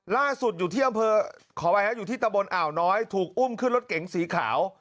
ล่าสุดอยู่ที่ตะบนอ่าวน้อยถูกอุ้มขึ้นรถเก๋งสีขาว